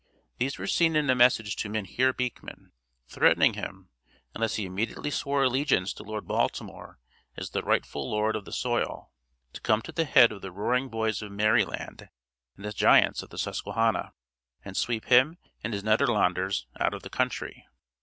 These were seen in a message to Mynheer Beekman, threatening him, unless he immediately swore allegiance to Lord Baltimore as the rightful lord of the soil, to come at the head of the roaring boys of Merryland and the giants of the Susquehanna, and sweep him and his Nederlanders out of the country.